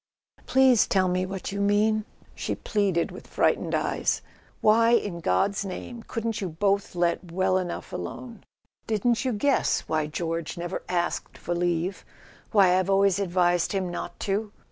"Please tell me what you mean," she pleaded with frightened eyes. "Why, in God's name, couldn't you both let well enough alone? Didn't you guess why George never asked for leave—why I've always advised him not to